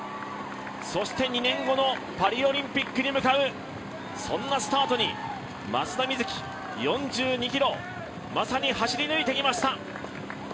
そして２年後のパリオリンピックに向かう、そんなスタートに松田瑞生、４２ｋｍまさに走り抜いてきました。